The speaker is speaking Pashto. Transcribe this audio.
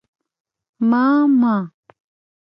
_ما، ما